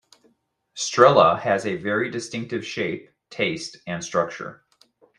Strela has a very distinctive shape, taste and structure.